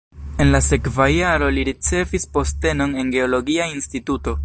En la sekva jaro li ricevis postenon en geologia instituto.